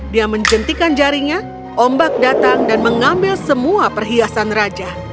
dia menjentikan jarinya ombak datang dan mengambil semua perhiasan raja